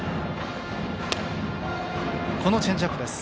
このチェンジアップです。